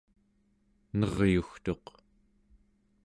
neryugtuq